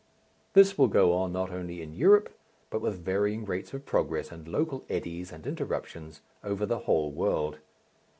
This will go on not only in Europe, but with varying rates of progress and local eddies and interruptions over the whole world.